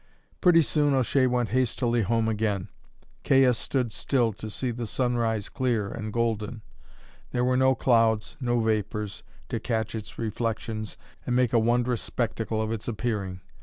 Pretty soon O'Shea went hastily home again. Caius stood still to see the sun rise clear and golden. There were no clouds, no vapours, to catch its reflections and make a wondrous spectacle of its appearing.